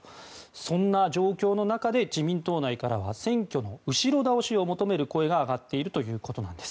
そんな状況の中で自民党内からは選挙の後ろ倒しを求める声が上がっているということです。